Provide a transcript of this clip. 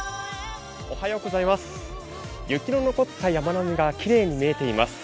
雪の残った山並みがきれいに見えています。